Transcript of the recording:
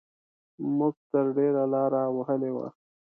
موږ تر ډېره لاره وهلې وه.